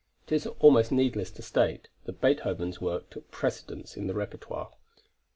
It is almost needless to state that Beethoven's work took precedence in the repertoire.